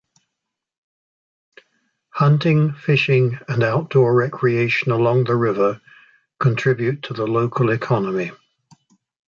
Hunting, fishing, and outdoor recreation along the river contribute to the local economy.